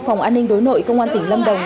phòng an ninh đối nội công an tỉnh lâm đồng